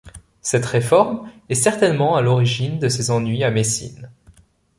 Cette réforme est certainement à l'origine de ses ennuis à Messine.